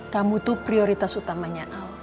kamu tuh prioritas utamanya